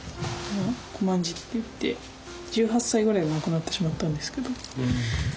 こまんじっていって１８歳ぐらいで亡くなってしまったんですけど。